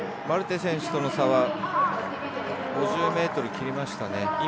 マルテ選手との差は５０ｍを切りましたね。